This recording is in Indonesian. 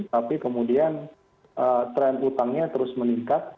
tapi kemudian tren utangnya terus meningkat